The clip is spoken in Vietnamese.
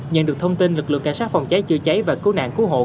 nhận được thông tin lực lượng cảnh sát phòng cháy chữa cháy và cứu nạn cứu hộ